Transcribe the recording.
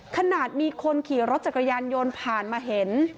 ขนาดมีคนขี่รถจักรยานยนต์ผ่านมาเห็น